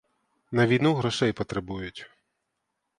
На війну грошей потребують.